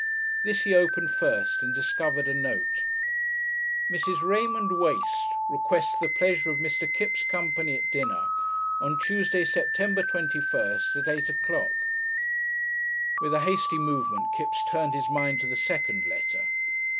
This he opened first and discovered a note: MRS. RAYMOND WACE Requests the pleasure of MR. KIPPS' Company at Dinner on Tuesday, September 21st, at 8 o'clock With a hasty movement Kipps turned his mind to the second letter.